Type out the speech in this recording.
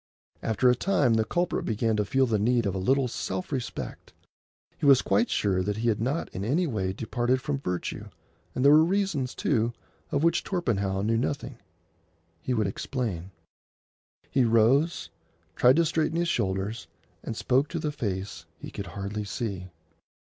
After a time the culprit began to feel the need of a little self respect. He was quite sure that he had not in any way departed from virtue, and there were reasons, too, of which Torpenhow knew nothing. He would explain. He rose, tried to straighten his shoulders, and spoke to the face he could hardly see.